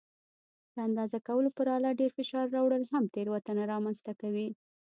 د اندازه کولو پر آله ډېر فشار راوړل هم تېروتنه رامنځته کوي.